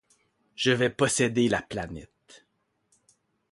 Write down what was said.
Je vais posséder la planète.